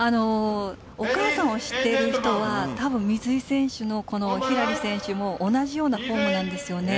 お母さんを知っている人は多分、ひらり選手も同じようなフォームなんです。